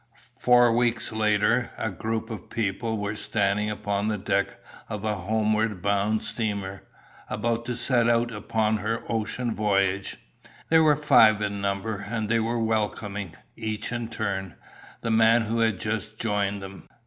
Four weeks later, a group of people were standing upon the deck of a homeward bound steamer, about to set out upon her ocean voyage. They were five in number, and they were welcoming, each in turn, the man who had just joined them.